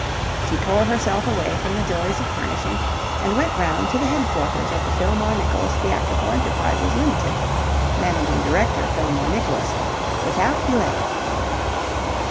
She tore herself away from the joys of furnishing and went round to the headquarters of the Fillmore Nicholas Theatrical Enterprises Ltd. (Managing Director, Fillmore Nicholas) without delay.